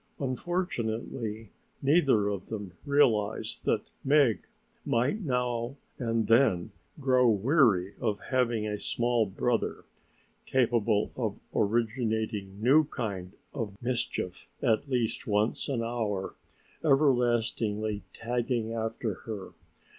Unfortunately neither of them realized that Meg might now and then grow weary of having a small brother, capable of originating new kind of mischief at least once an hour, everlastingly tagging after her.